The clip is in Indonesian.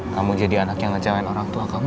kamu jadi anak yang ngecewain orang tua kamu